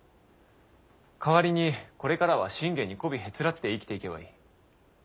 代わりにこれからは信玄にこびへつらって生きていけばいい。